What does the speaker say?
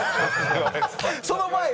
その前は？